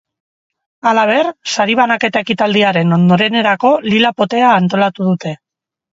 Halaber, sari banaketa ekitaldiaren ondorenerako lila-potea antolatu dute.